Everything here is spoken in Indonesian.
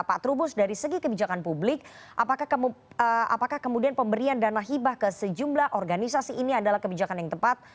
pak trubus dari segi kebijakan publik apakah kemudian pemberian dana hibah ke sejumlah organisasi ini adalah kebijakan yang tepat